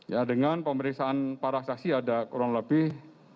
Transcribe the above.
ya dengan pemeriksaan parasasi ada kurang lebih